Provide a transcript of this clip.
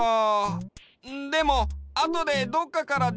でもあとでどっかからでてくるかもよ！